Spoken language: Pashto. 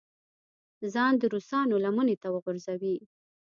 ځان د روسانو لمنې ته وغورځوي.